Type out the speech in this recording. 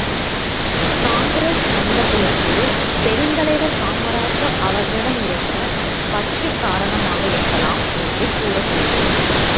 காங்கிரஸ் நண்பர்களுக்குப் பெருந்தலைவர் காமராசர் அவர்களிடமிருந்த பற்று காரணமாக இருக்கலாம் என்று கூறக்கூடும்.